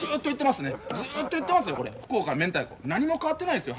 ずっと言ってますね福岡のめんたいこ何も変わってないですよ